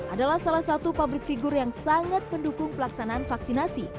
adalah salah satu pabrik figur yang sangat mendukung pelaksanaan vaksinasi